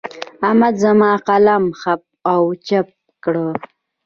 احمد زما قلم خپ و چپ کړ.